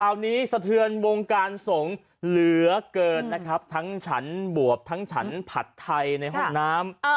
อันนี้สเถิญวงการสงฆ์เหลือเกินนะคะทั้งฐบวบทั้งฐผัดไทยในห้องน้ำ